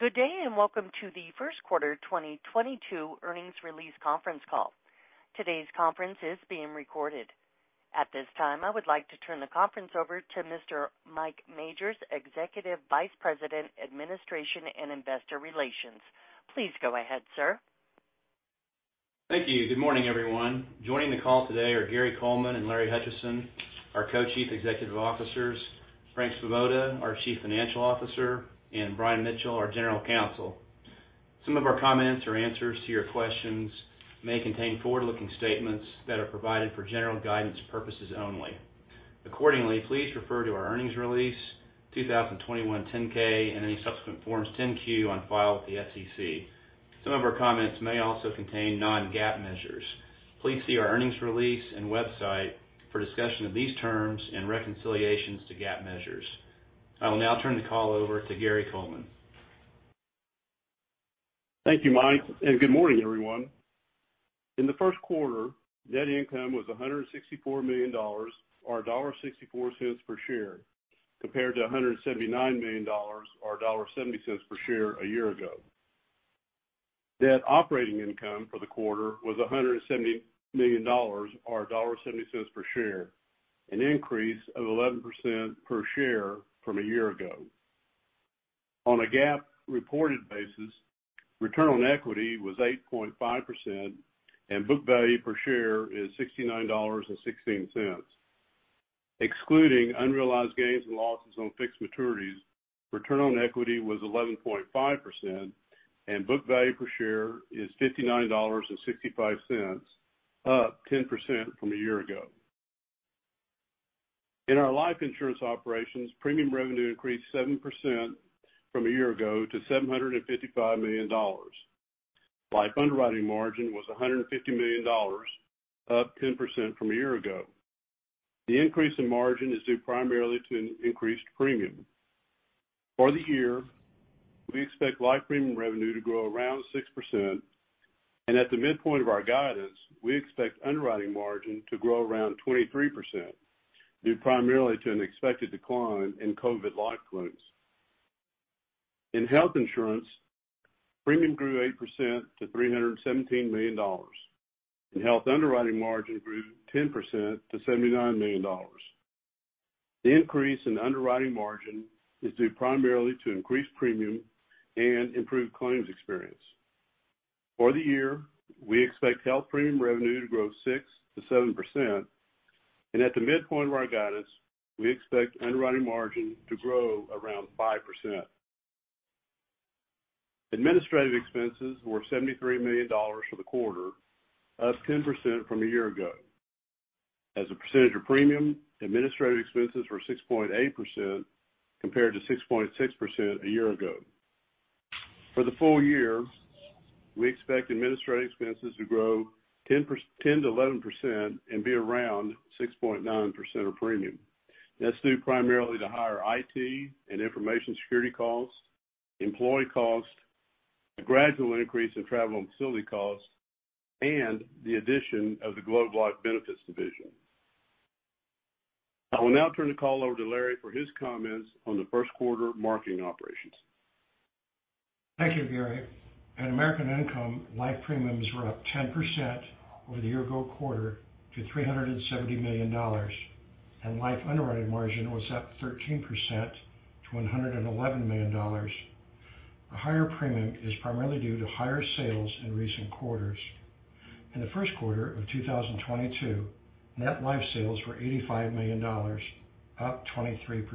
Good day, and welcome to the Q1 2022 earnings release conference call. Today's conference is being recorded. At this time, I would like to turn the conference over to Mr. Mike Majors, Executive Vice President, Administration and Investor Relations. Please go ahead, sir. Thank you. Good morning, everyone. Joining the call today are Gary Coleman and Larry Hutchison, our Co-Chief Executive Officers, Frank Svoboda, our Chief Financial Officer, and Brian Mitchell, our General Counsel. Some of our comments or answers to your questions may contain forward-looking statements that are provided for general guidance purposes only. Accordingly, please refer to our earnings release, 2021 10-K, and any subsequent forms 10-Q on file with the SEC. Some of our comments may also contain non-GAAP measures. Please see our earnings release and website for discussion of these terms and reconciliations to GAAP measures. I will now turn the call over to Gary Coleman. Thank you, Mike, and good morning, everyone. In the Q1, net income was $164 million or $1.64 per share, compared to $179 million or $1.70 per share a year ago. Net operating income for the quarter was $170 million or $1.70 per share, an increase of 11% per share from a year ago. On a GAAP reported basis, return on equity was 8.5%, and book value per share is $69.16. Excluding unrealized gains and losses on fixed maturities, return on equity was 11.5%, and book value per share is $59.65, up 10% from a year ago. In our life insurance operations, premium revenue increased 7% from a year ago to $755 million. Life underwriting margin was $150 million, up 10% from a year ago. The increase in margin is due primarily to an increased premium. For the year, we expect life premium revenue to grow around 6%, and at the midpoint of our guidance, we expect underwriting margin to grow around 23%, due primarily to an expected decline in COVID life claims. In health insurance, premium grew 8% to $317 million, and health underwriting margin grew 10% to $79 million. The increase in underwriting margin is due primarily to increased premium and improved claims experience. For the year, we expect health premium revenue to grow 6%-7%. At the midpoint of our guidance, we expect underwriting margin to grow around 5%. Administrative expenses were $73 million for the quarter, up 10% from a year ago. As a percentage of premium, administrative expenses were 6.8% compared to 6.6% a year ago. For the full year, we expect administrative expenses to grow 10%-11% and be around 6.9% of premium. That's due primarily to higher IT and information security costs, employee costs, a gradual increase in travel and facility costs, and the addition of the Globe Life Benefits division. I will now turn the call over to Larry for his comments on the Q1 marketing operations. Thank you, Gary. At American Income, life premiums were up 10% over the year ago quarter to $370 million, and life underwriting margin was up 13% to $111 million. A higher premium is primarily due to higher sales in recent quarters. In the Q1 of 2022, net life sales were $85 million, up 23%.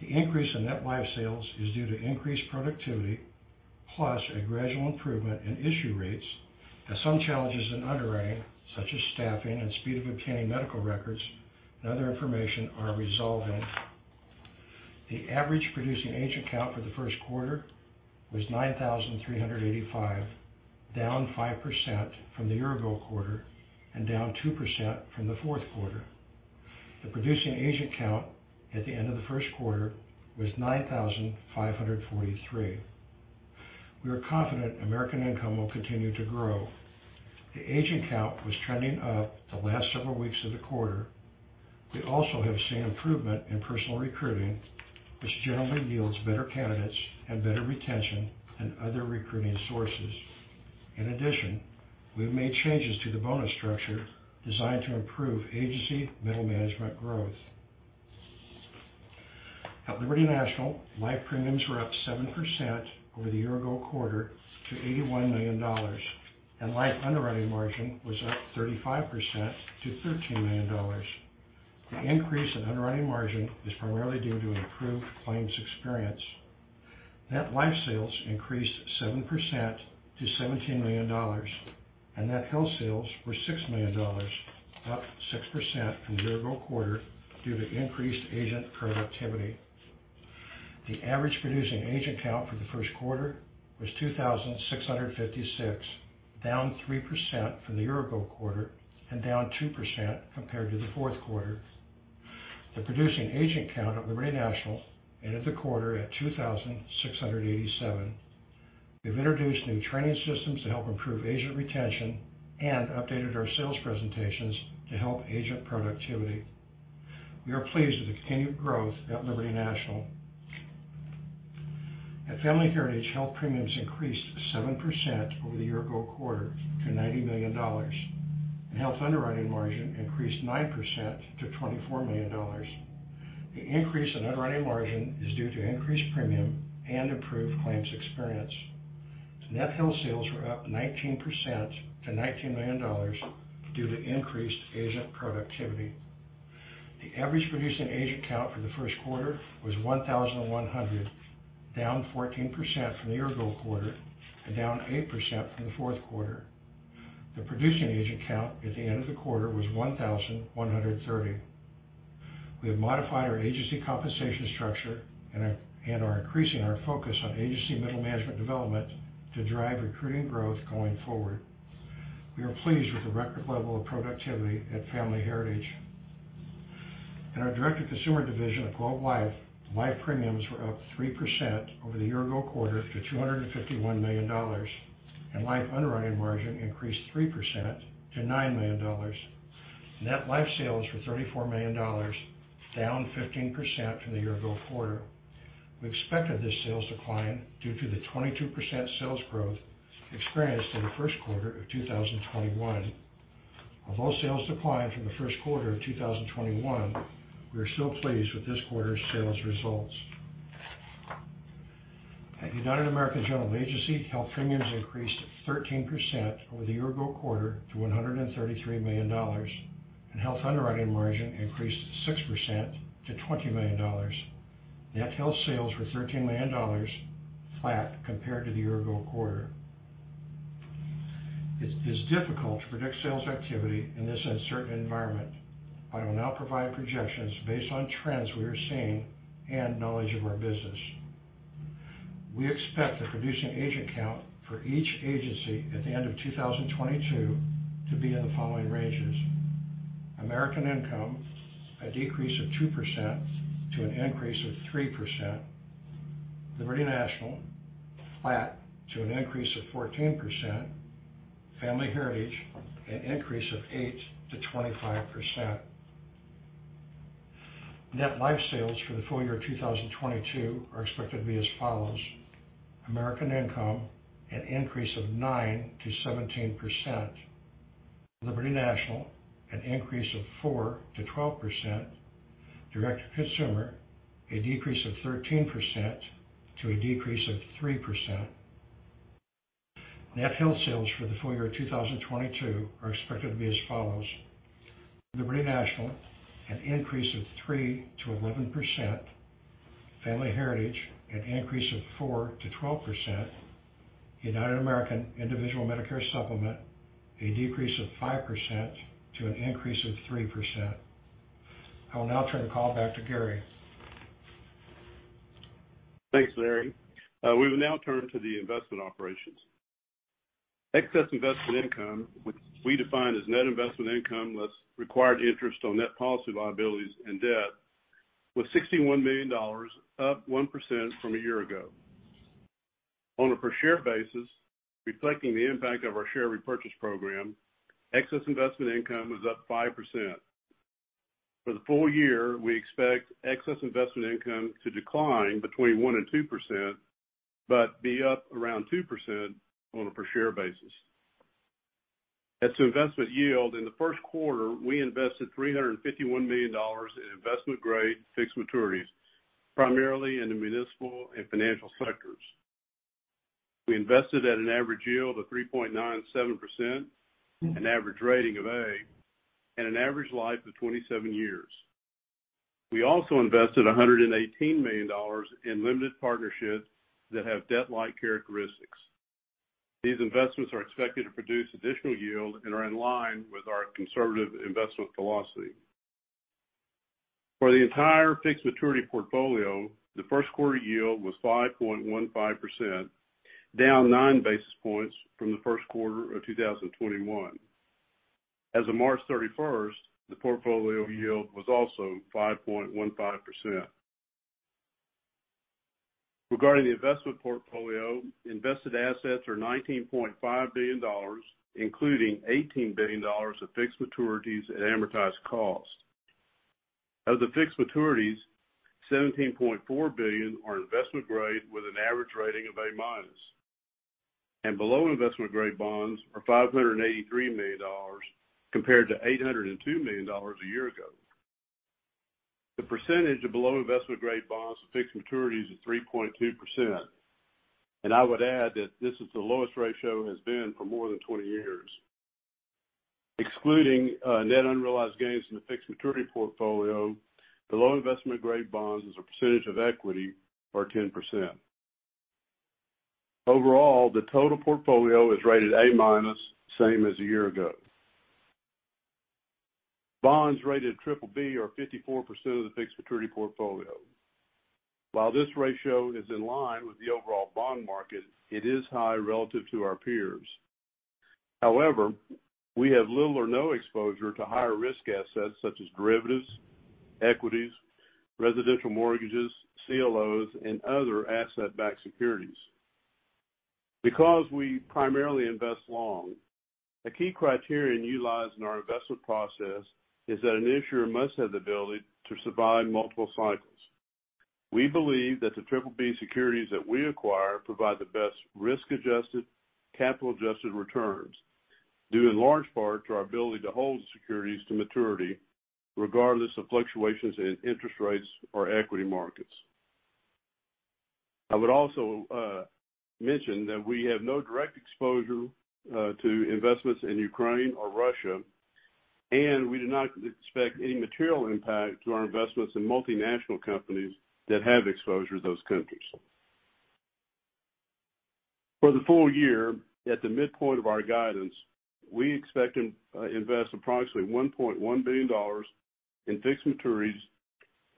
The increase in net life sales is due to increased productivity, plus a gradual improvement in issue rates as some challenges in underwriting, such as staffing and speed of obtaining medical records and other information are resolving. The average producing agent count for the Q1 was 9,385, down 5% from the year ago quarter and down 2% from the Q4. The producing agent count at the end of the Q1 was 9,543. We are confident American Income will continue to grow. The agent count was trending up the last several weeks of the quarter. We also have seen improvement in personal recruiting, which generally yields better candidates and better retention than other recruiting sources. In addition, we have made changes to the bonus structure designed to improve agency middle management growth. At Liberty National, life premiums were up 7% over the year-ago quarter to $81 million, and life underwriting margin was up 35% to $13 million. The increase in underwriting margin is primarily due to improved claims experience. Net life sales increased 7% to $17 million, and net health sales were $6 million, up 6% from the year-ago quarter due to increased agent productivity. The average producing agent count for the Q1 was 2,656, down 3% from the year ago quarter and down 2% compared to the Q4. The producing agent count of Liberty National ended the quarter at 2,687. We've introduced new training systems to help improve agent retention and updated our sales presentations to help agent productivity. We are pleased with the continued growth at Liberty National. At Family Heritage, health premiums increased 7% over the year ago quarter to $90 million, and health underwriting margin increased 9% to $24 million. The increase in underwriting margin is due to increased premium and improved claims experience. Net health sales were up 19% to $19 million due to increased agent productivity. The average producing agent count for the Q1 was 1,100, down 14% from the year ago quarter and down 8% from the Q4. The producing agent count at the end of the quarter was 1,130. We have modified our agency compensation structure and are increasing our focus on agency middle management development to drive recruiting growth going forward. We are pleased with the record level of productivity at Family Heritage. In our direct-to-consumer division of Globe Life, life premiums were up 3% over the year ago quarter to $251 million, and life underwriting margin increased 3% to $9 million. Net life sales were $34 million, down 15% from the year ago quarter. We expected this sales decline due to the 22% sales growth experienced in the Q1 of 2021. Although sales declined from the Q1 of 2021, we are still pleased with this quarter's sales results. At United American General Agency, health premiums increased 13% over the year ago quarter to $133 million, and health underwriting margin increased 6% to $20 million. Net health sales were $13 million, flat compared to the year ago quarter. It's difficult to predict sales activity in this uncertain environment. I will now provide projections based on trends we are seeing and knowledge of our business. We expect the producing agent count for each agency at the end of 2022 to be in the following ranges: American Income, a decrease of 2% to an increase of 3%; Liberty National, flat to an increase of 14%; Family Heritage, an increase of 8%-25%. Net life sales for the full year of 2022 are expected to be as follows: American Income, an increase of 9%-17%; Liberty National, an increase of 4%-12%; direct-to-consumer, a decrease of 13% to a decrease of 3%. Net health sales for the full year of 2022 are expected to be as follows. Liberty National, an increase of 3%-11%. Family Heritage, an increase of 4%-12%. United American Individual Medicare Supplement, a decrease of 5% to an increase of 3%. I will now turn the call back to Gary. Thanks, Larry. We will now turn to the investment operations. Excess investment income, which we define as net investment income less required interest on net policy liabilities and debt, was $61 million, up 1% from a year ago. On a per share basis, reflecting the impact of our share repurchase program, excess investment income was up 5%. For the full year, we expect excess investment income to decline between 1% -2%, but be up around 2% on a per share basis. As to investment yield, in the Q1, we invested $351 million in investment-grade fixed maturities, primarily in the municipal and financial sectors. We invested at an average yield of 3.97%, an average rating of A, and an average life of 27 years. We also invested $118 million in limited partnerships that have debt-like characteristics. These investments are expected to produce additional yield and are in line with our conservative investment philosophy. For the entire fixed maturity portfolio, the Q1 yield was 5.15%, down 9 basis points from the Q1 of 2021. As of March 31, the portfolio yield was also 5.15%. Regarding the investment portfolio, invested assets are $19.5 billion, including $18 billion of fixed maturities at amortized cost. Of the fixed maturities, $17.4 billion are investment-grade with an average rating of A-minus, and below investment-grade bonds are $583 million compared to $802 million a year ago. The percentage of below investment-grade bonds to fixed maturities is 3.2%, and I would add that this is the lowest ratio it has been for more than 20 years. Excluding net unrealized gains in the fixed maturity portfolio, the low investment-grade bonds as a percentage of equity are 10%. Overall, the total portfolio is rated A-, same as a year ago. Bonds rated BBB are 54% of the fixed maturity portfolio. While this ratio is in line with the overall bond market, it is high relative to our peers. However, we have little or no exposure to higher risk assets such as derivatives, equities, residential mortgages, CLOs, and other asset-backed securities. Because we primarily invest long, a key criterion utilized in our investment process is that an issuer must have the ability to survive multiple cycles. We believe that the triple-B securities that we acquire provide the best risk-adjusted, capital-adjusted returns, due in large part to our ability to hold the securities to maturity regardless of fluctuations in interest rates or equity markets. I would also mention that we have no direct exposure to investments in Ukraine or Russia, and we do not expect any material impact to our investments in multinational companies that have exposure to those countries. For the full year, at the midpoint of our guidance, we expect to invest approximately $1.1 billion in fixed maturities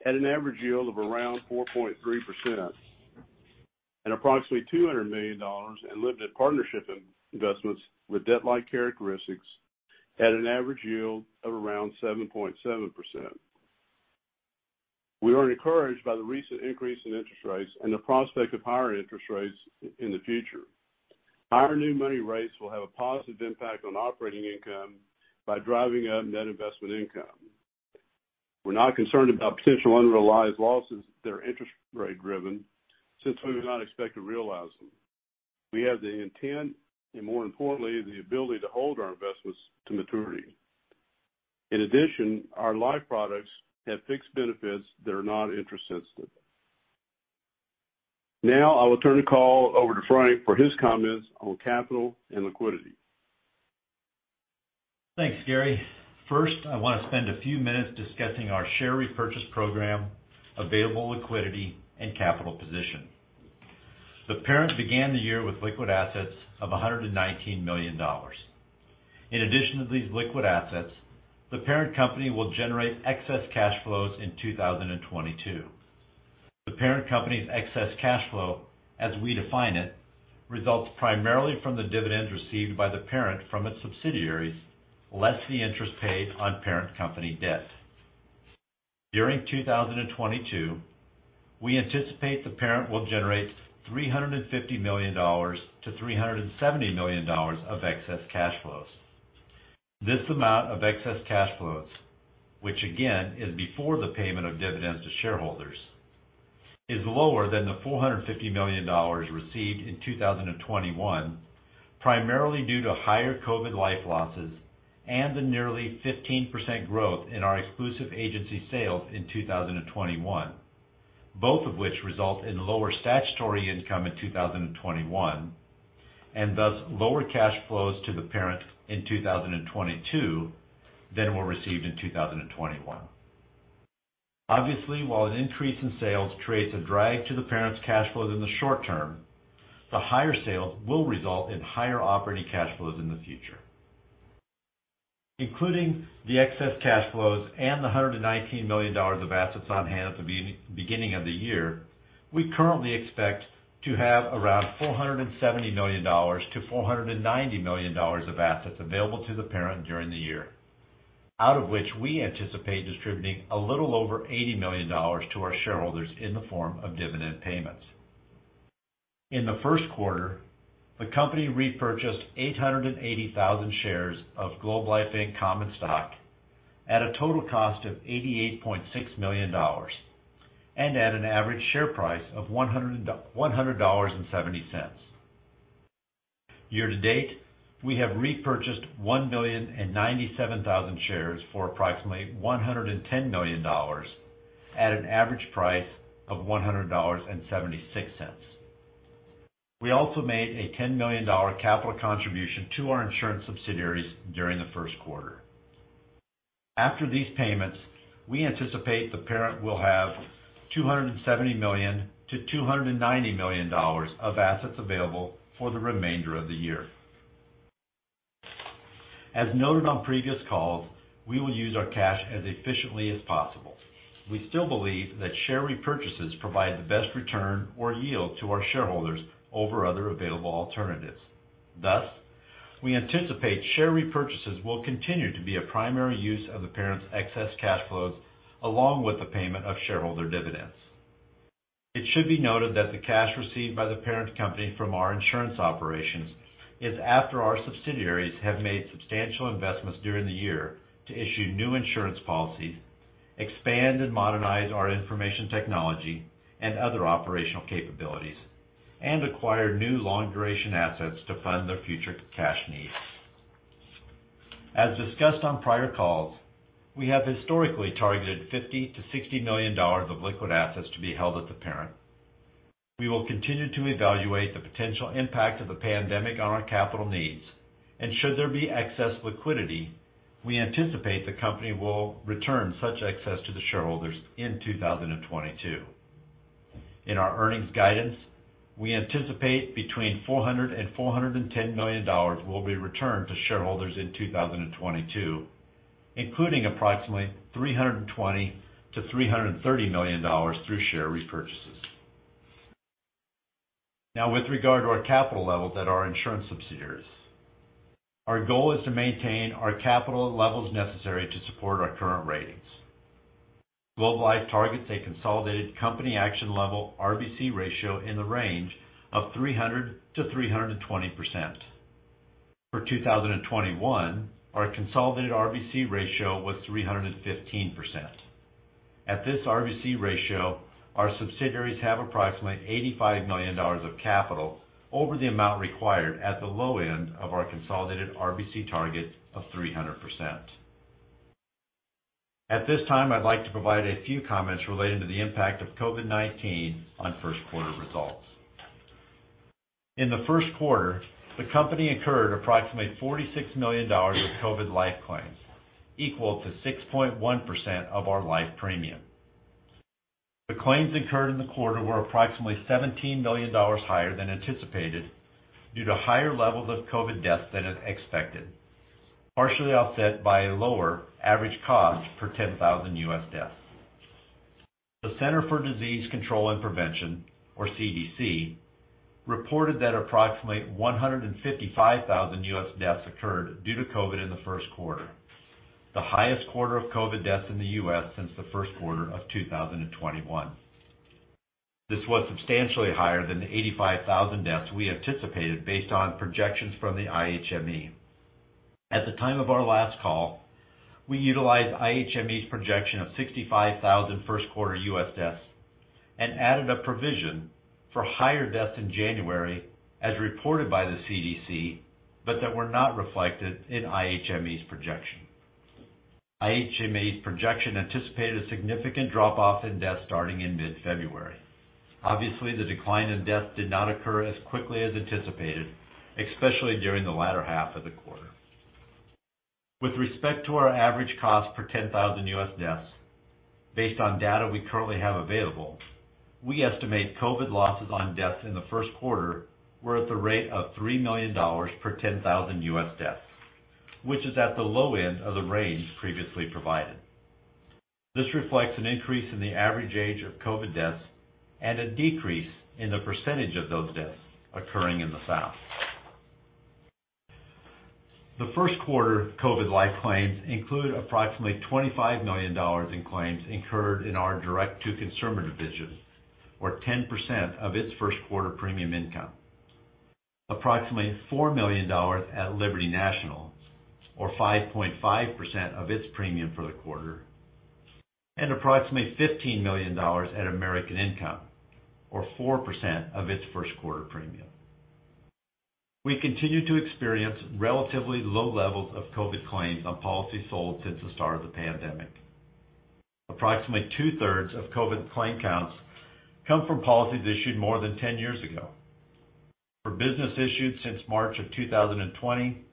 at an average yield of around 4.3%, and approximately $200 million in limited partnership investments with debt-like characteristics at an average yield of around 7.7%. We are encouraged by the recent increase in interest rates and the prospect of higher interest rates in the future. Our new money rates will have a positive impact on operating income by driving up net investment income. We're not concerned about potential unrealized losses that are interest rate-driven since we do not expect to realize them. We have the intent, and more importantly, the ability to hold our investments to maturity. In addition, our life products have fixed benefits that are not interest sensitive. Now, I will turn the call over to Frank for his comments on capital and liquidity. Thanks, Gary. First, I wanna spend a few minutes discussing our share repurchase program, available liquidity, and capital position. The parent began the year with liquid assets of $119 million. In addition to these liquid assets, the parent company will generate excess cash flows in 2022. The parent company's excess cash flow, as we define it, results primarily from the dividends received by the parent from its subsidiaries, less the interest paid on parent company debt. During 2022, we anticipate the parent will generate $350 million-$370 million of excess cash flows. This amount of excess cash flows, which again is before the payment of dividends to shareholders, is lower than the $450 million received in 2021, primarily due to higher COVID life losses and the nearly 15% growth in our exclusive agency sales in 2021, both of which result in lower statutory income in 2021, and thus lower cash flows to the parent in 2022 than were received in 2021. Obviously, while an increase in sales creates a drag to the parent's cash flows in the short term, the higher sales will result in higher operating cash flows in the future. Including the excess cash flows and the $119 million of assets on hand at the beginning of the year, we currently expect to have around $470 million-$490 million of assets available to the parent during the year, out of which we anticipate distributing a little over $80 million to our shareholders in the form of dividend payments. In the Q1, the company repurchased 880,000 shares of Globe Life Inc. common stock at a total cost of $88.6 million, and at an average share price of $100.70. Year to date, we have repurchased 1,097,000 shares for approximately $110 million at an average price of $100.76. We also made a $10 million capital contribution to our insurance subsidiaries during the Q1. After these payments, we anticipate the parent will have $270 million-$290 million of assets available for the remainder of the year. As noted on previous calls, we will use our cash as efficiently as possible. We still believe that share repurchases provide the best return or yield to our shareholders over other available alternatives. Thus, we anticipate share repurchases will continue to be a primary use of the parent's excess cash flows along with the payment of shareholder dividends. It should be noted that the cash received by the parent company from our insurance operations is after our subsidiaries have made substantial investments during the year to issue new insurance policies, expand and modernize our information technology and other operational capabilities, and acquire new long-duration assets to fund their future cash needs. As discussed on prior calls, we have historically targeted $50 million-$60 million of liquid assets to be held at the parent. We will continue to evaluate the potential impact of the pandemic on our capital needs, and should there be excess liquidity, we anticipate the company will return such excess to the shareholders in 2022. In our earnings guidance, we anticipate between $400 million and $410 million will be returned to shareholders in 2022, including approximately $320 million-$330 million through share repurchases. With regard to our capital levels at our insurance subsidiaries, our goal is to maintain our capital levels necessary to support our current ratings. Globe Life targets a consolidated company action level RBC ratio in the range of 300%-320%. For 2021, our consolidated RBC ratio was 315%. At this RBC ratio, our subsidiaries have approximately $85 million of capital over the amount required at the low end of our consolidated RBC target of 300%. At this time, I'd like to provide a few comments relating to the impact of COVID-19 on Q1 results. In the Q1, the company incurred approximately $46 million of COVID life claims, equal to 6.1% of our life premium. The claims incurred in the quarter were approximately $17 million higher than anticipated due to higher levels of COVID deaths than expected, partially offset by a lower average cost per 10,000 U.S. deaths. The Centers for Disease Control and Prevention, or CDC, reported that approximately 155,000 U.S. deaths occurred due to COVID in the Q1, the highest quarter of COVID deaths in the U.S. since the Q1 of 2021. This was substantially higher than the 85,000 deaths we anticipated based on projections from the IHME. At the time of our last call, we utilized IHME's projection of 65,000 Q1 U.S. deaths and added a provision for higher deaths in January as reported by the CDC, but that were not reflected in IHME's projection. IHME's projection anticipated a significant drop off in deaths starting in mid-February. Obviously, the decline in deaths did not occur as quickly as anticipated, especially during the latter half of the quarter. With respect to our average cost per 10,000 U.S. deaths, based on data we currently have available, we estimate COVID losses on deaths in the Q1 were at the rate of $3 million per 10,000 U.S. deaths, which is at the low end of the range previously provided. This reflects an increase in the average age of COVID deaths and a decrease in the percentage of those deaths occurring in the South. The Q1 COVID life claims include approximately $25 million in claims incurred in our direct-to-consumer division, or 10% of its Q1 premium income, approximately $4 million at Liberty National, or 5.5% of its premium for the quarter, and approximately $15 million at American Income, or 4% of its Q1 premium. We continue to experience relatively low levels of COVID claims on policies sold since the start of the pandemic. Approximately two-thirds of COVID claim counts come from policies issued more than 10 years ago. For business issued since March of 2020,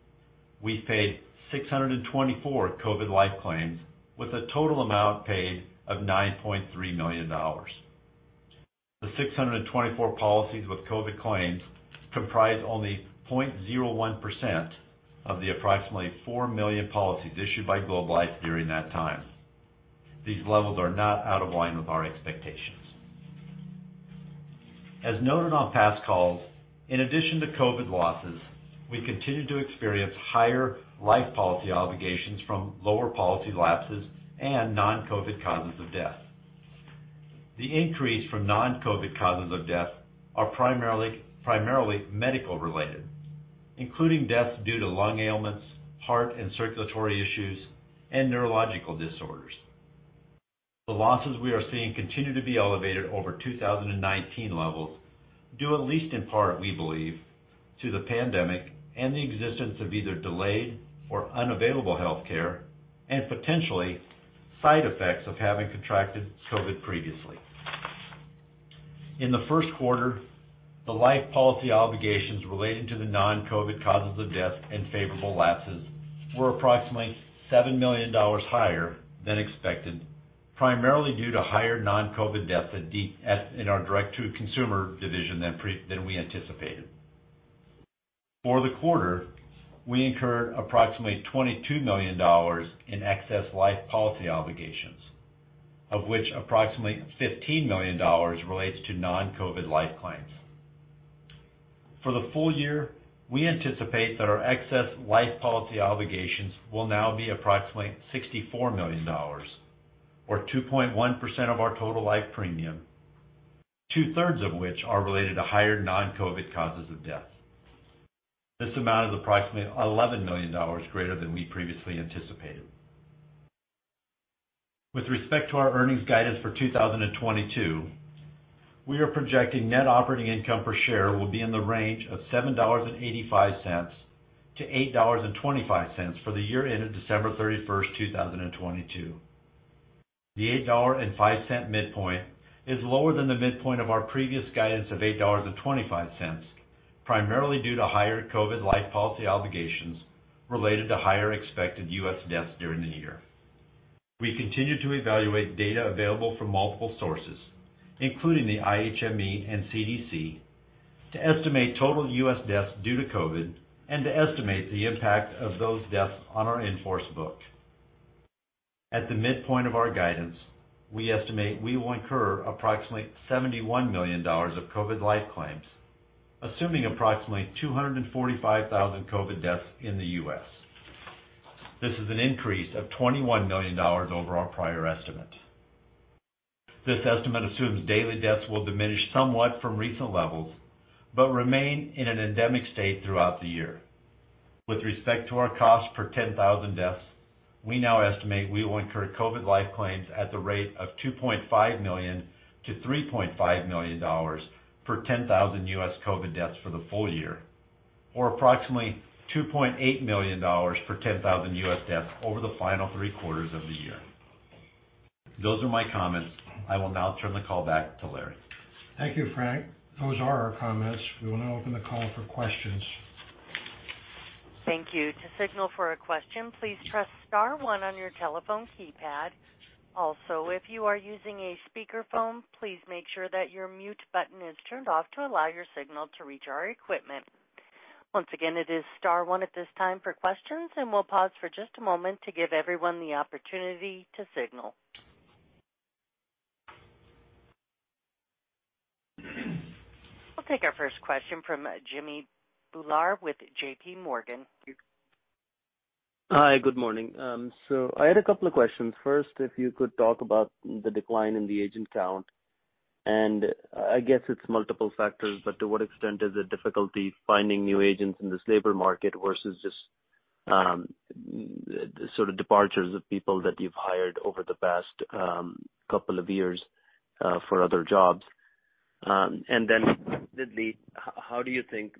we've paid 624 COVID life claims with a total amount paid of $9.3 million. The 624 policies with COVID claims comprise only 0.01% of the approximately 4 million policies issued by Globe Life during that time. These levels are not out of line with our expectations. As noted on past calls, in addition to COVID losses, we continue to experience higher life policy obligations from lower policy lapses and non-COVID causes of death. The increase from non-COVID causes of death are primarily medical related, including deaths due to lung ailments, heart and circulatory issues, and neurological disorders. The losses we are seeing continue to be elevated over 2019 levels due at least in part, we believe, to the pandemic and the existence of either delayed or unavailable health care and potentially side effects of having contracted COVID previously. In the Q1, the life policy obligations relating to the non-COVID causes of death and favorable lapses were approximately $7 million higher than expected, primarily due to higher non-COVID deaths in our direct-to-consumer division than we anticipated. For the quarter, we incurred approximately $22 million in excess life policy obligations, of which approximately $15 million relates to non-COVID life claims. For the full year, we anticipate that our excess life policy obligations will now be approximately $64 million, or 2.1% of our total life premium, two-thirds of which are related to higher non-COVID causes of death. This amount is approximately $11 million greater than we previously anticipated. With respect to our earnings guidance for 2022, we are projecting net operating income per share will be in the range of $7.85-$8.25 for the year ending December 31, 2022. The $8.05 midpoint is lower than the midpoint of our previous guidance of $8.25, primarily due to higher COVID life policy obligations related to higher expected U.S. deaths during the year. We continue to evaluate data available from multiple sources, including the IHME and CDC, to estimate total U.S. deaths due to COVID and to estimate the impact of those deaths on our in-force book. At the midpoint of our guidance, we estimate we will incur approximately $71 million of COVID life claims, assuming approximately 245,000 COVID deaths in the U.S. This is an increase of $21 million over our prior estimate. This estimate assumes daily deaths will diminish somewhat from recent levels, but remain in an endemic state throughout the year. With respect to our cost per 10,000 deaths, we now estimate we will incur COVID life claims at the rate of $2.5 million-$3.5 million per 10,000 U.S. COVID deaths for the full year, or approximately $2.8 million per 10,000 U.S. deaths over the final three quarters of the year. Those are my comments. I will now turn the call back to Larry. Thank you, Frank. Those are our comments. We want to open the call for questions. Thank you. To signal for a question, please press star one on your telephone keypad. Also, if you are using a speakerphone, please make sure that your mute button is turned off to allow your signal to reach our equipment. Once again, it is star one at this time for questions, and we'll pause for just a moment to give everyone the opportunity to signal. We'll take our first question from Jimmy Bhullar with JPMorgan. Hi. Good morning. I had a couple of questions. First, if you could talk about the decline in the agent count, and I guess it's multiple factors, but to what extent is it difficulty finding new agents in this labor market versus just, sort of departures of people that you've hired over the past, couple of years, for other jobs? Secondly, how do you think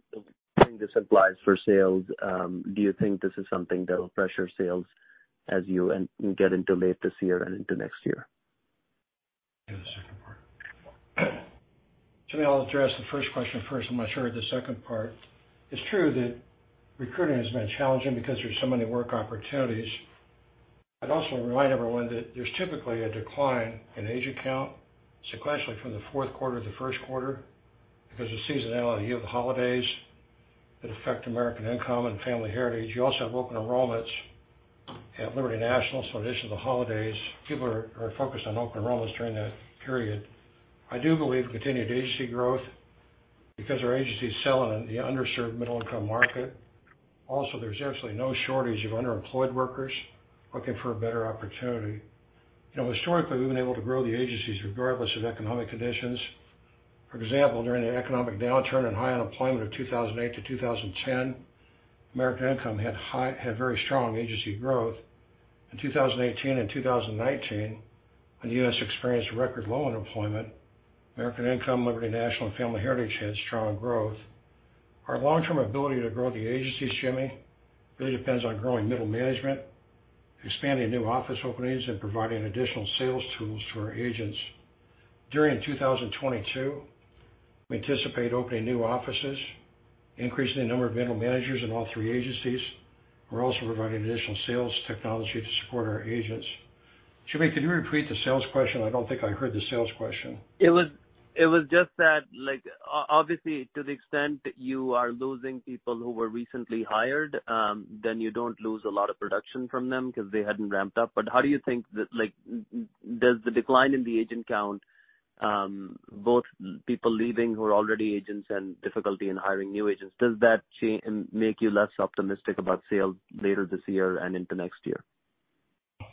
this applies for sales? Do you think this is something that will pressure sales as you get into late this year and into next year? Give the second part. Jimmy, I'll address the first question first, unless you heard the second part. It's true that recruiting has been challenging because there's so many work opportunities. I'd also remind everyone that there's typically a decline in agent count sequentially from the Q4 to the Q1 because the seasonality of the holidays that affect American Income and Family Heritage. You also have open enrollments at Liberty National. In addition to the holidays, people are focused on open enrollments during that period. I do believe in continued agency growth because our agency is selling in the underserved middle income market. Also, there's actually no shortage of underemployed workers looking for a better opportunity. You know, historically, we've been able to grow the agencies regardless of economic conditions. For example, during the economic downturn and high unemployment of 2008-2010, American Income had very strong agency growth. In 2018 and 2019, when the U.S. experienced record low unemployment, American Income, Liberty National, and Family Heritage had strong growth. Our long term ability to grow the agencies, Jimmy, really depends on growing middle management, expanding new office openings, and providing additional sales tools to our agents. During 2022, we anticipate opening new offices, increasing the number of middle managers in all three agencies. We're also providing additional sales technology to support our agents. Jimmy, can you repeat the sales question? I don't think I heard the sales question. It was just that, like, obviously, to the extent you are losing people who were recently hired, then you don't lose a lot of production from them 'cause they hadn't ramped up. How do you think that, like, does the decline in the agent count, both people leaving who are already agents and difficulty in hiring new agents, does that make you less optimistic about sales later this year and into next year?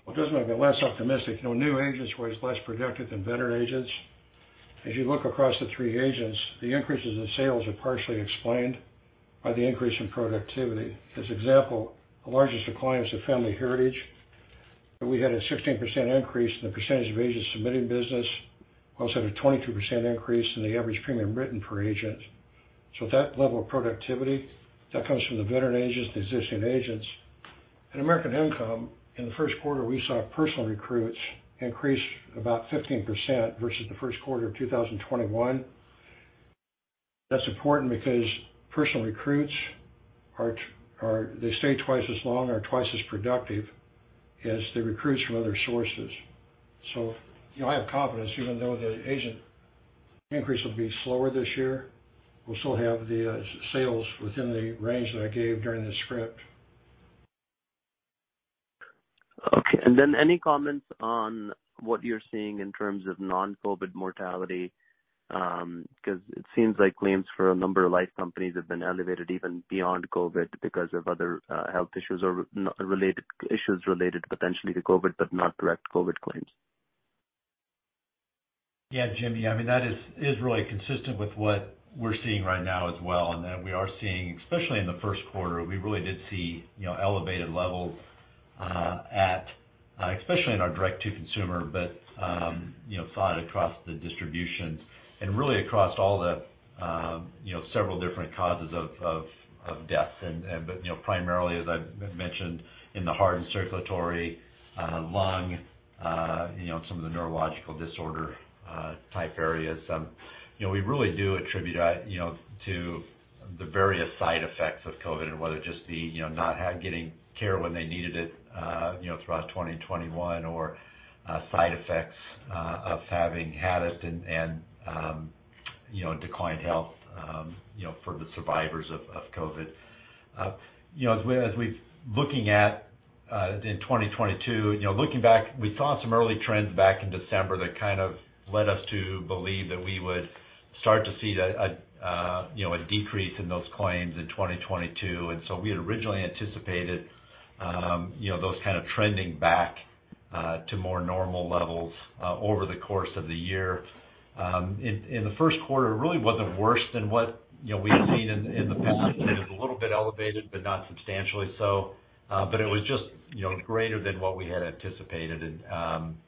Well, it doesn't make me less optimistic. New agents were always less productive than veteran agents. As you look across the three agencies, the increases in sales are partially explained by the increase in productivity. For example, the largest decline is Family Heritage, but we had a 16% increase in the percentage of agents submitting business, also had a 22% increase in the average premium written per agent. That level of productivity, that comes from the veteran agents, the existing agents. In American Income, in the Q1, we saw personal recruits increase about 15% versus the Q1 of 2021. That's important because personal recruits are they stay twice as long and are twice as productive as the recruits from other sources. you know, I have confidence, even though the agent increase will be slower this year, we'll still have the sales within the range that I gave during the script. Okay. Then any comments on what you're seeing in terms of non-COVID mortality? 'Cause it seems like claims for a number of life companies have been elevated even beyond COVID because of other health issues or issues related potentially to COVID, but not direct COVID claims. Yeah, Jimmy. I mean, that is really consistent with what we're seeing right now as well. We are seeing, especially in the Q1, we really did see, you know, elevated levels, especially in our direct-to-consumer, but, you know, saw it across the distribution and really across all the, you know, several different causes of death. But, you know, primarily, as I've mentioned in the heart and circulatory, lung, you know, some of the neurological disorder type areas. You know, we really do attribute, you know, to the various side effects of COVID and whether just the, you know, not getting care when they needed it, you know, throughout 2021 or, side effects of having had it and, You know, declined health, you know, for the survivors of COVID. You know, looking at in 2022, you know, looking back, we saw some early trends back in December that kind of led us to believe that we would start to see the, you know, a decrease in those claims in 2022. We had originally anticipated, you know, those kind of trending back to more normal levels over the course of the year. In the Q1, it really wasn't worse than what, you know, we had seen in the past. It was a little bit elevated, but not substantially so. It was just, you know, greater than what we had anticipated.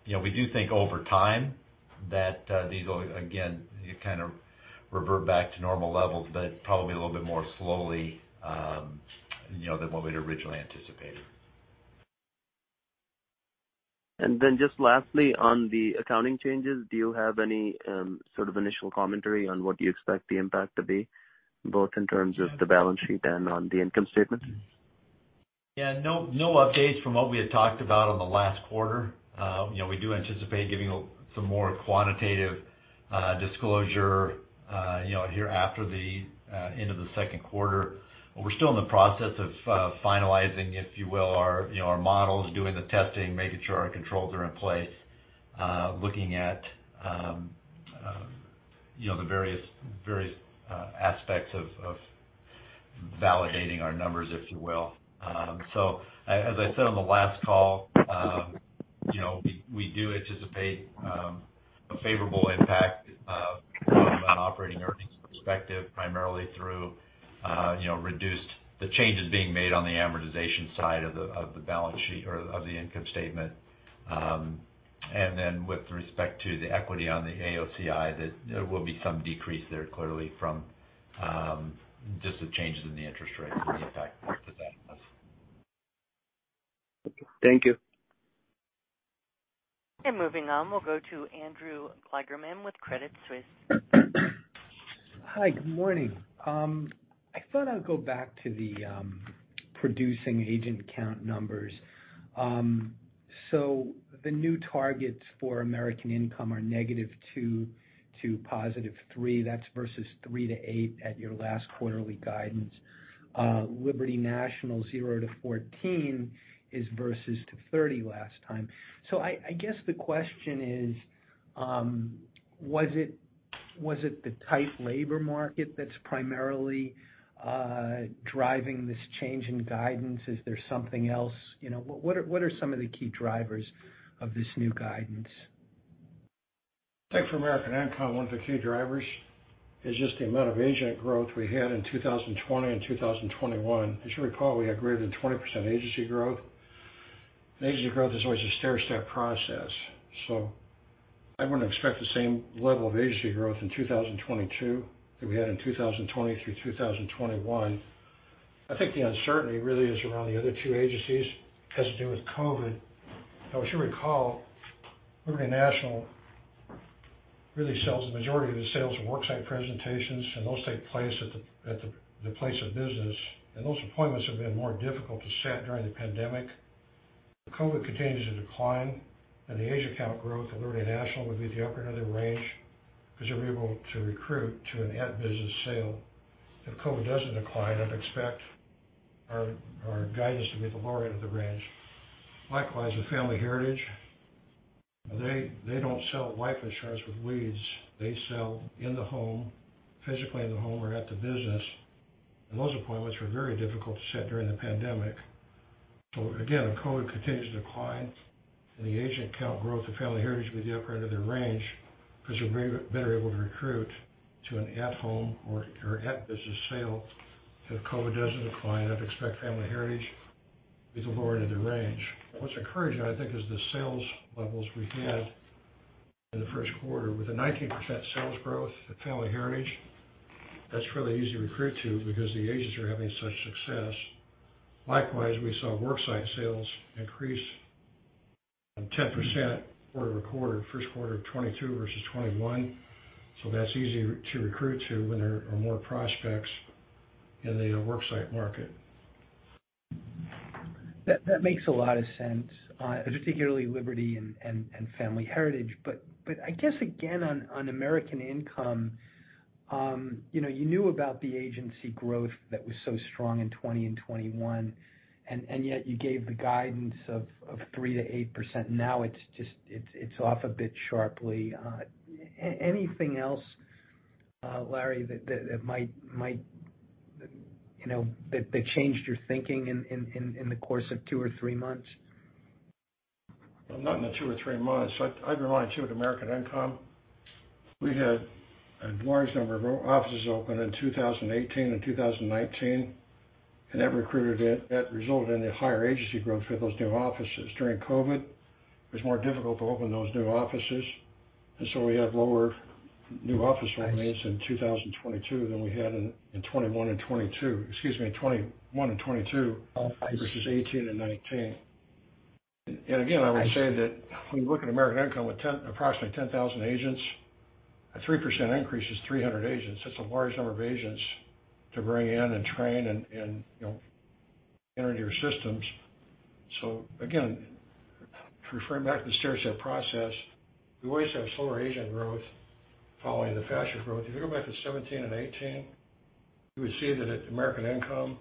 You know, we do think over time that these will, again, kind of revert back to normal levels, but probably a little bit more slowly, you know, than what we'd originally anticipated. Just lastly, on the accounting changes, do you have any, sort of initial commentary on what you expect the impact to be, both in terms of the balance sheet and on the income statement? Yeah, no updates from what we had talked about on the last quarter. You know, we do anticipate giving some more quantitative disclosure you know, here after the end of the Q2. We're still in the process of finalizing, if you will, our models, doing the testing, making sure our controls are in place, looking at you know, the various aspects of validating our numbers, if you will. As I said on the last call, you know, we do anticipate a favorable impact from an operating earnings perspective, primarily through you know, reduced the changes being made on the amortization side of the balance sheet or of the income statement. With respect to the equity on the AOCI, that there will be some decrease there clearly from just the changes in the interest rates and the impact that has. Okay. Thank you. Moving on, we'll go to Andrew Kligerman with Credit Suisse. Hi. Good morning. I thought I'd go back to the producing agent count numbers. The new targets for American Income are -2 to +3. That's versus three-eight at your last quarterly guidance. Liberty National 0-14 is versus two-30 last time. I guess the question is, was it the tight labor market that's primarily driving this change in guidance? Is there something else? You know, what are some of the key drivers of this new guidance? I think for American Income, one of the key drivers is just the amount of agent growth we had in 2020 and 2021. As you recall, we had greater than 20% agency growth. Agency growth is always a stair-step process. I wouldn't expect the same level of agency growth in 2022 that we had in 2020 through 2021. I think the uncertainty really is around the other two agencies. It has to do with COVID. Now, as you recall, Liberty National really sells the majority of the sales at worksite presentations, and those take place at the place of business, and those appointments have been more difficult to set during the pandemic. If COVID continues to decline, then the agent count growth at Liberty National would be at the upper end of the range because they'll be able to recruit to an at-business sale. If COVID doesn't decline, I'd expect our guidance to be at the lower end of the range. Likewise, with Family Heritage, they don't sell life insurance with leads. They sell in the home, physically in the home or at the business, and those appointments were very difficult to set during the pandemic. Again, if COVID continues to decline, then the agent count growth of Family Heritage will be at the upper end of their range because they're better able to recruit to an at-home or at-business sale. If COVID doesn't decline, I'd expect Family Heritage to be at the lower end of the range. What's encouraging, I think, is the sales levels we had in the Q1. With a 19% sales growth at Family Heritage, that's fairly easy to recruit to because the agents are having such success. Likewise, we saw worksite sales increase 10% quarter-over-quarter, Q1 of 2022 versus 2021. That's easy to recruit to when there are more prospects in the worksite market. That makes a lot of sense, particularly Liberty and Family Heritage. I guess again on American Income, you know, you knew about the agency growth that was so strong in 2020 and 2021, and yet you gave the guidance of 3%-8%. Now it's just off a bit sharply. Anything else, Larry, you know, that changed your thinking in the course of two or three months? Well, not in the two or three months. I'd remind you with American Income, we had a large number of offices open in 2018 and 2019, and that resulted in the higher agency growth for those new offices. During COVID, it was more difficult to open those new offices, and so we have lower new office openings- I see. in 2022 than we had in 2021 and 2022. Excuse me, in 2021 and 2022. Oh, I see. versus 2018 and 2019. Again, I would say that when you look at American Income with approximately 10,000 agents, a 3% increase is 300 agents. That's a large number of agents to bring in and train and, you know, enter into your systems. Again Referring back to the stair-step process, we always have slower agent growth following the faster growth. If you go back to 2017 and 2018, you would see that at American Income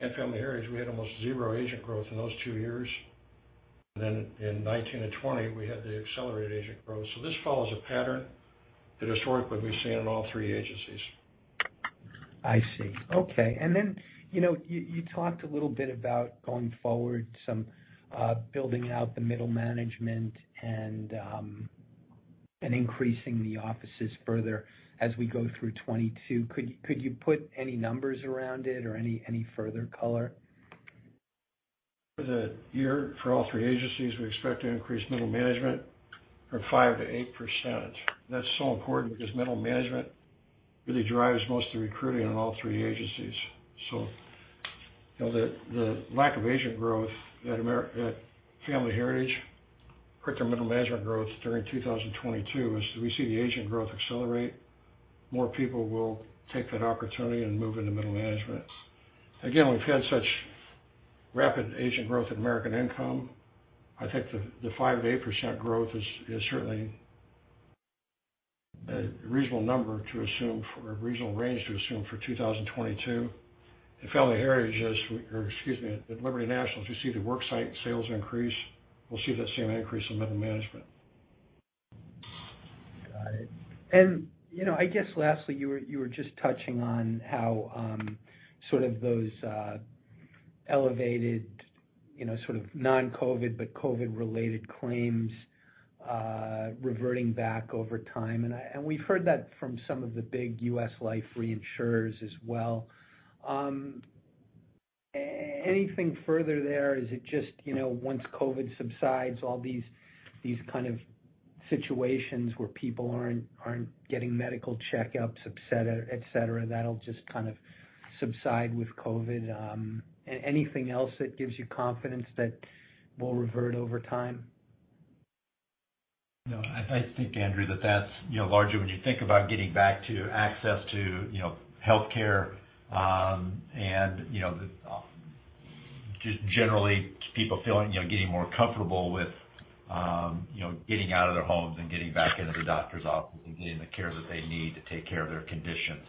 and Family Heritage, we had almost zero agent growth in those two years. Then in 2019 and 2020, we had the accelerated agent growth. This follows a pattern that historically we've seen in all three agencies. I see. Okay. You know, you talked a little bit about going forward, some building out the middle management and increasing the offices further as we go through 2022. Could you put any numbers around it or any further color? For the year, for all three agencies, we expect to increase middle management from 5%-8%. That's so important because middle management really drives most of the recruiting in all three agencies. You know, the lack of agent growth at Family Heritage, quicker middle management growth during 2022 as we see the agent growth accelerate, more people will take that opportunity and move into middle management. Again, we've had such rapid agent growth at American Income, I think the 5%-8% growth is certainly a reasonable number to assume for a reasonable range to assume for 2022. At Liberty National, as we see the worksite sales increase, we'll see that same increase in middle management. Got it. You know, I guess lastly, you were just touching on how, sort of those elevated, you know, sort of non-COVID, but COVID-related claims reverting back over time. We've heard that from some of the big U.S. life reinsurers as well. Anything further there? Is it just, you know, once COVID subsides, all these kind of situations where people aren't getting medical checkups, et cetera, that'll just kind of subside with COVID? Anything else that gives you confidence that will revert over time? No, I think, Andrew, that that's, you know, largely when you think about getting back to access to, you know, healthcare, and, you know, just generally people feeling, you know, getting more comfortable with, you know, getting out of their homes and getting back into the doctor's office and getting the care that they need to take care of their conditions.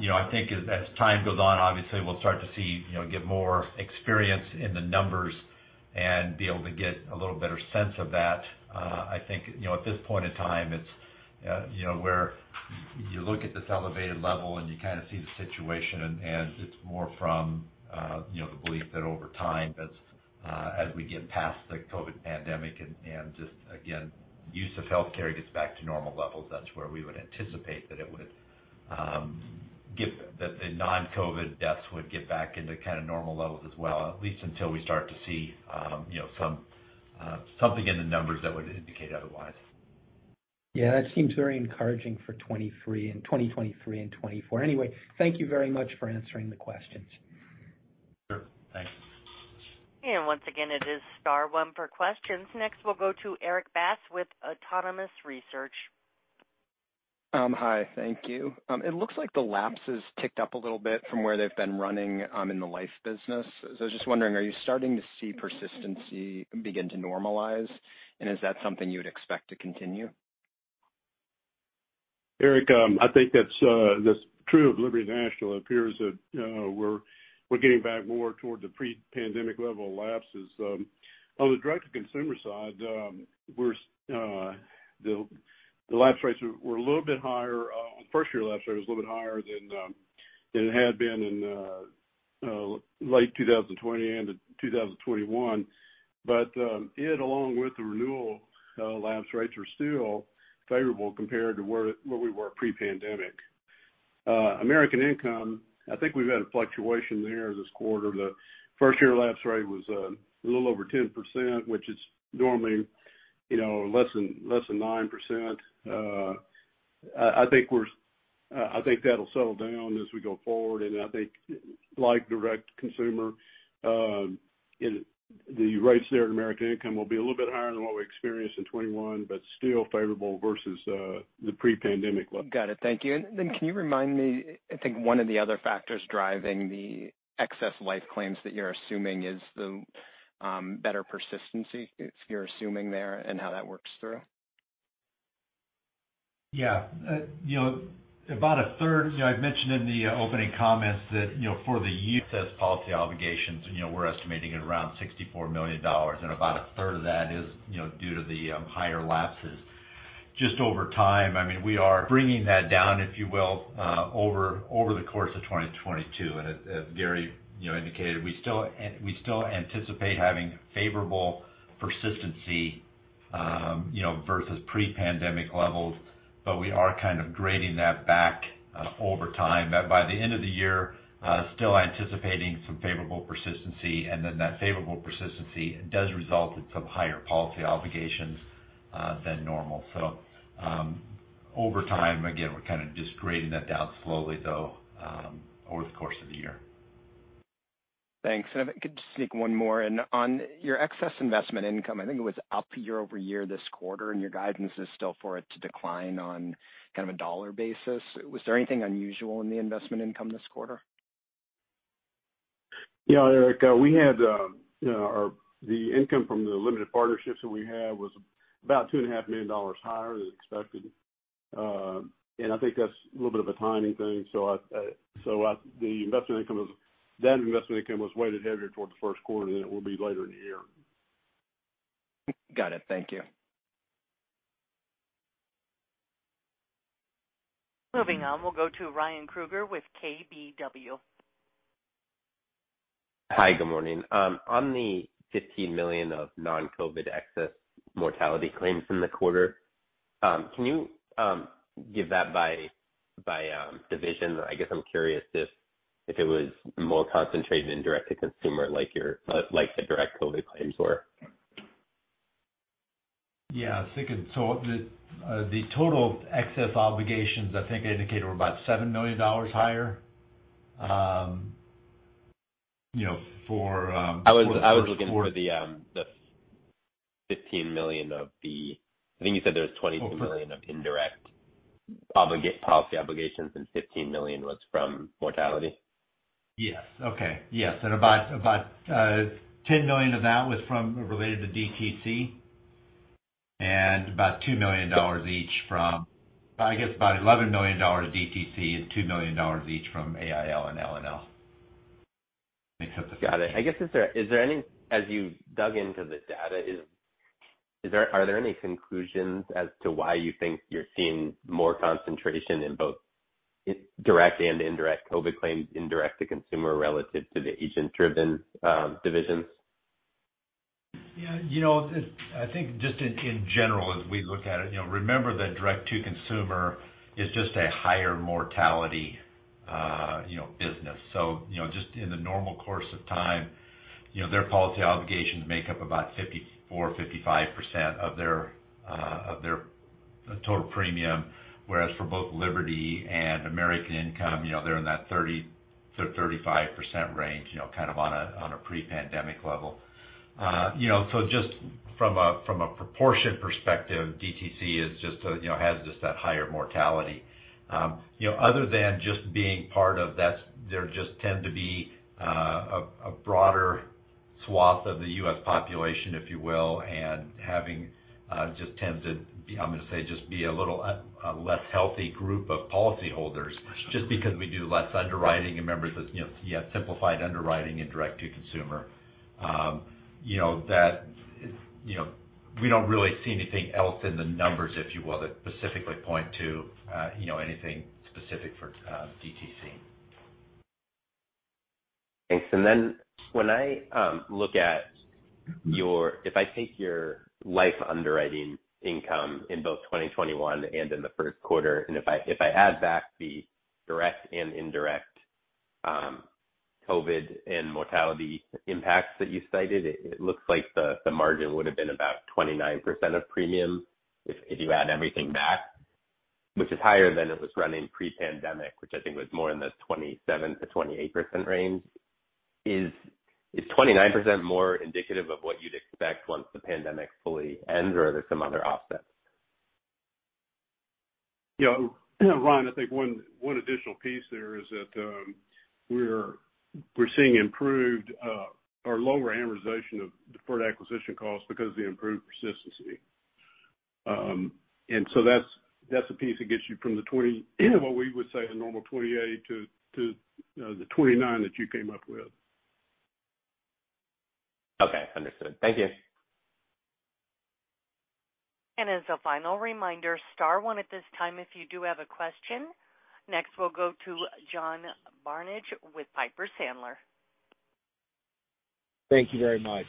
You know, I think as time goes on, obviously we'll start to see, you know, get more experience in the numbers and be able to get a little better sense of that. I think, you know, at this point in time, it's, you know, where you look at this elevated level and you kind of see the situation and it's more from, you know, the belief that over time as we get past the COVID pandemic and just again, use of healthcare gets back to normal levels, that's where we would anticipate that the non-COVID deaths would get back into kind of normal levels as well, at least until we start to see, you know, some something in the numbers that would indicate otherwise. Yeah, that seems very encouraging for 23, in 2023 and 2024. Anyway, thank you very much for answering the questions. Sure. Thanks. Once again, it is star one for questions. Next, we'll go to Erik Bass with Autonomous Research. Hi. Thank you. It looks like the lapses ticked up a little bit from where they've been running in the life business. I was just wondering, are you starting to see persistency begin to normalize? Is that something you would expect to continue? Eric, I think that's true of Liberty National. It appears that we're getting back more towards the pre-pandemic level lapses. On the direct-to-consumer side, the lapse rates were a little bit higher. The first year lapse rate was a little bit higher than it had been in late 2020 into 2021. It, along with the renewal lapse rates, are still favorable compared to where we were pre-pandemic. American Income, I think we've had a fluctuation there this quarter. The first year lapse rate was a little over 10%, which is normally, you know, less than 9%. I think that'll settle down as we go forward. I think, like direct-to-consumer, the rates there at American Income will be a little bit higher than what we experienced in 2021, but still favorable versus the pre-pandemic level. Got it. Thank you. Can you remind me, I think one of the other factors driving the excess life claims that you're assuming is the better persistency you're assuming there and how that works through? Yeah. You know, about a third, you know, I've mentioned in the opening comments that, you know, for the year as policy obligations, you know, we're estimating at around $64 million, and about a third of that is, you know, due to the higher lapses. Just over time, I mean, we are bringing that down, if you will, over the course of 2022. As Gary, you know, indicated, we still anticipate having favorable persistency, you know, versus pre-pandemic levels, but we are kind of grading that back, over time. By the end of the year, still anticipating some favorable persistency, and then that favorable persistency does result in some higher policy obligations, than normal. Over time, again, we're kind of just grading that down slowly, though, over the course of the year. Thanks. If I could just sneak one more in. On your excess investment income, I think it was up year-over-year this quarter, and your guidance is still for it to decline on kind of a dollar basis. Was there anything unusual in the investment income this quarter? Yeah, Erik, we had our income from the limited partnerships that we had was about $2.5 million higher than expected. I think that's a little bit of a timing thing. That investment income was weighted heavier towards the Q1 than it will be later in the year. Got it. Thank you. Moving on, we'll go to Ryan Krueger with KBW. Hi, good morning. On the $15 million of non-COVID excess mortality claims from the quarter, can you give that by division? I guess I'm curious if it was more concentrated in direct-to-consumer like your direct COVID claims were. Yeah, I was thinking. The total excess obligations, I think I indicated were about $7 million higher, you know, for the Q1. I was looking for the $15 million of the. I think you said there was $22 million of indirect policy obligations, and $15 million was from mortality. Yes. Okay. Yes. About $10 million of that was related to DTC, and, I guess, about $11 million DTC and $2 million each from AIL and LNL. I think that's. Got it. I guess, as you dug into the data, are there any conclusions as to why you think you're seeing more concentration in both direct and indirect COVID claims in direct-to-consumer relative to the agent-driven divisions? Yeah, you know, I think just in general, as we look at it, you know, remember that direct-to-consumer is just a higher mortality, you know, business. You know, just in the normal course of time, you know, their policy obligations make up about 54%-55% of their of their total premium, whereas for both Liberty and American Income, you know, they're in that 30%-35% range, you know, kind of on a pre-pandemic level. You know, just from a proportion perspective, DTC is just a, you know, has just that higher mortality. You know, other than just being part of that, there just tend to be a broader swath of the U.S. population, if you will, and just tends to, I'm gonna say, just be a little less healthy group of policyholders just because we do less underwriting, you know, simplified underwriting and direct-to-consumer. You know, we don't really see anything else in the numbers, if you will, that specifically point to, you know, anything specific for DTC. Thanks. When I look at, if I take your life underwriting income in both 2021 and in the Q1, and if I add back the direct and indirect COVID and mortality impacts that you cited, it looks like the margin would have been about 29% of premium if you add everything back, which is higher than it was running pre-pandemic, which I think was more in the 27%-28% range. Is 29% more indicative of what you'd expect once the pandemic fully ends, or are there some other offsets? Yeah. Ryan, I think one additional piece there is that we're seeing improved or lower amortization of deferred acquisition costs because of the improved persistency. That's the piece that gets you from the 20, what we would say, a normal 28 to you know, the 29 that you came up with. Okay. Understood. Thank you. As a final reminder, star one at this time if you do have a question. Next, we'll go to John Barnidge with Piper Sandler. Thank you very much.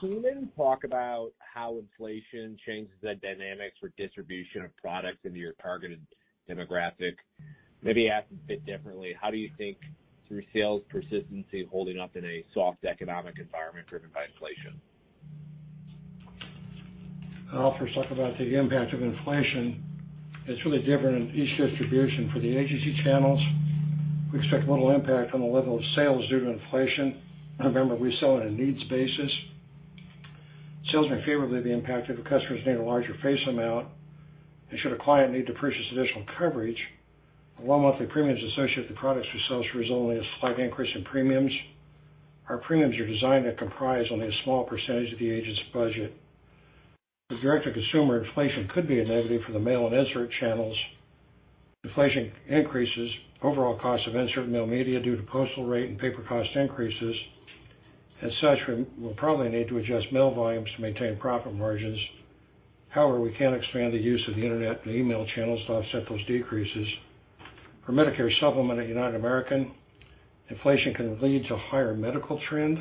Can you maybe talk about how inflation changes the dynamics for distribution of products into your targeted demographic? Maybe asked a bit differently, how do you think through sales persistency holding up in a soft economic environment driven by inflation? I'll first talk about the impact of inflation. It's really different in each distribution. For the agency channels, we expect little impact on the level of sales due to inflation. Remember, we sell on a needs basis. Sales may favorably be impacted if customers need a larger face amount. Should a client need to purchase additional coverage, the low monthly premiums associated with the products we sell should result in only a slight increase in premiums. Our premiums are designed to comprise only a small percentage of the agent's budget. For direct-to-consumer, inflation could be a negative for the mail and insert channels. Inflation increases overall cost of insert and mail media due to postal rate and paper cost increases. As such, we'll probably need to adjust mail volumes to maintain profit margins. However, we can expand the use of the internet and email channels to offset those decreases. For Medicare Supplement at United American, inflation can lead to higher medical trend.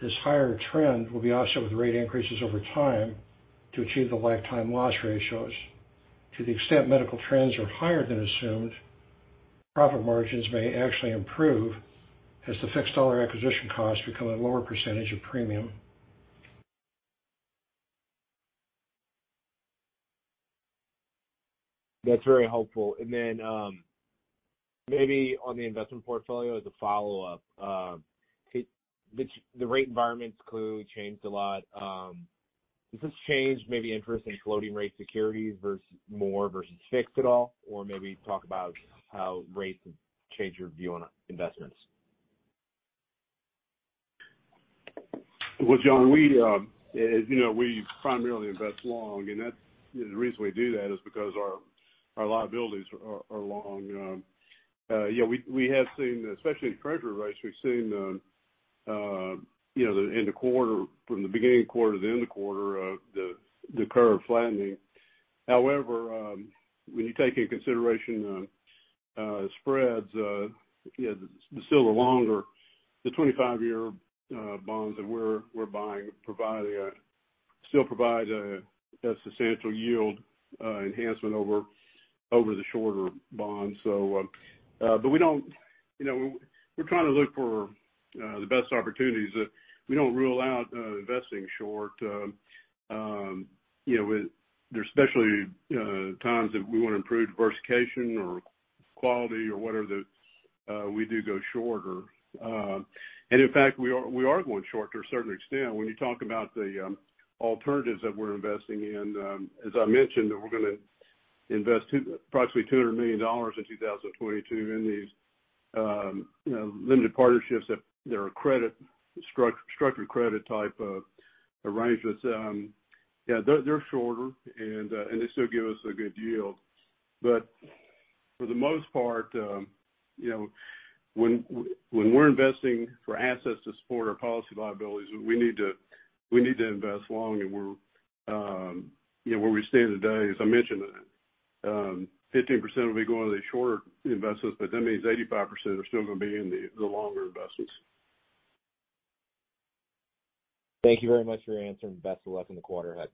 This higher trend will be offset with rate increases over time to achieve the lifetime loss ratios. To the extent medical trends are higher than assumed, profit margins may actually improve as the fixed dollar acquisition costs become a lower percentage of premium. That's very helpful. Then, maybe on the investment portfolio as a follow-up, the rate environment's clearly changed a lot. Does this change maybe interest in floating rate securities versus fixed at all? Or maybe talk about how rates have changed your view on investments. Well, John, as you know, we primarily invest long, and that's the reason we do that because our liabilities are long. Yeah, we have seen, especially in Treasury rates, we've seen, you know, in the quarter from the beginning of the quarter to the end of the quarter, the curve flattening. However, when you take into consideration spreads, you know, the longer, the 25-year bonds that we're buying still provide a substantial yield enhancement over the shorter bonds. We don't, you know, we're trying to look for the best opportunities. We don't rule out investing short, you know, there's especially times that we want to improve diversification or quality or whatever, we do go shorter. In fact, we are going short to a certain extent. When you talk about the alternatives that we're investing in, as I mentioned, we're gonna invest approximately $200 million in 2022 in these, you know, limited partnerships that they're structured credit type of arrangements. Yeah, they're shorter and they still give us a good yield. But for the most part, you know, when we're investing for assets to support our policy liabilities, we need to invest long. We're, you know, where we stand today, as I mentioned, 15% will be going to the shorter investments, but that means 85% are still gonna be in the longer investments. Thank you very much for answering. Best of luck in the quarter ahead.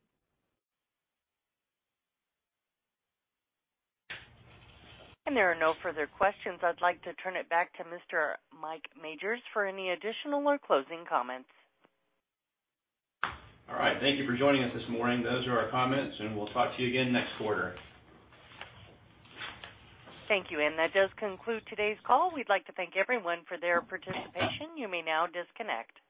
There are no further questions. I'd like to turn it back to Mr. Mike Majors for any additional or closing comments. All right. Thank you for joining us this morning. Those are our comments, and we'll talk to you again next quarter. Thank you. That does conclude today's call. We'd like to thank everyone for their participation. You may now disconnect.